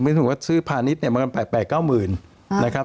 ไม่ถึงว่าซื้อพาณิชย์เนี่ยมันกันแปลกแปลกเก้าหมื่นนะครับ